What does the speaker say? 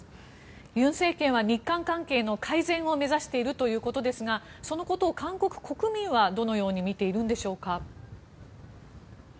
尹政権は日韓関係の改善を目指しているということですがそのことを韓国国民はどのように見ているんでしょうか？